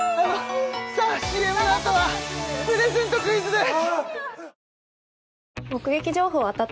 ＣＭのあとはプレゼントクイズです